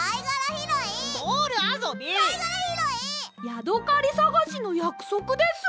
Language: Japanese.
ヤドカリさがしのやくそくです！